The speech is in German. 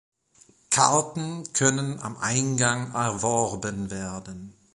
Karten können am Eingang erworben werden.